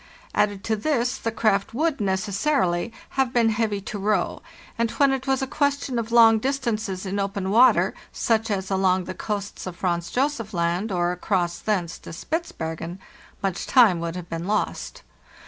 Added to this, the craft would, necessarily, have been heavy to row; and when it was a question of long distances in open water, such as along the coasts of Franz Josef Land, or across thence to Spitzbergen, much time would have been lost.